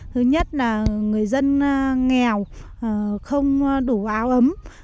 thứ nhất là người dân nghèo không đủ áo ấm